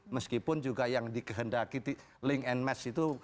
meskipun juga yang dikehendaki link and match itu